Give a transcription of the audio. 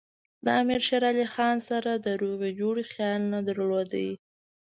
د امیر شېر علي خان سره د روغې جوړې خیال نه درلود.